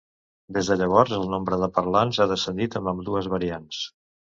Des de llavors el nombre de parlants ha descendit en ambdues variants.